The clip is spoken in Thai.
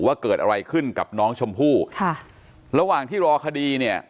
ว่าเกิดอะไรขึ้นกับน้องชมพู่ค่ะระหว่างที่รอคดีเนี่ย